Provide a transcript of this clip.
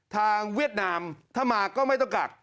เวียดนามถ้ามาก็ไม่ต้องกัก